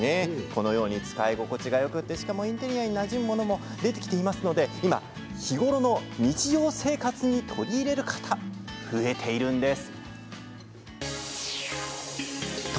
このように使い心地がよくてインテリアにもなじむものも出てきていまして日頃の日常生活に取り入れる方増えているんです。